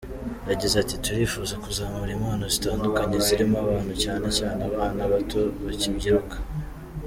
Yagize ati: “ Turifuza kuzamura impano zitandukanye ziri mu bantu cyane cyane abana bato bakibyiruka.